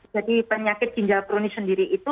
jadi penyakit ginjal kronis sendiri itu